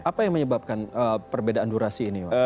apa yang menyebabkan perbedaan durasi ini